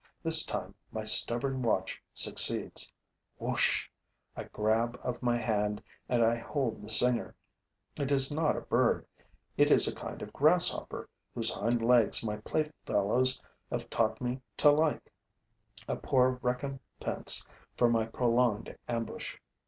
This time, my stubborn watch succeeds. Whoosh! A grab of my hand and I hold the singer. It is not a bird; it is a kind of Grasshopper whose hind legs my playfellows have taught me to like: a poor recompense for my prolonged ambush.